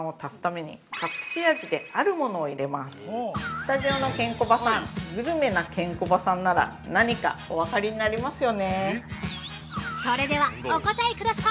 スタジオのケンコバさん、グルメなケンコバさんなら、何かお分かりになりますよね。